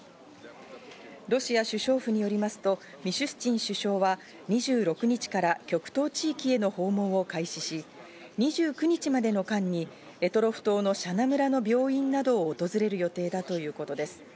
ロシア首相府によりますとミシュスチン首相は２６日から極東地域への訪問を開始し、２９日までの間に択捉島の紗那村の病院などを訪れる予定だということです。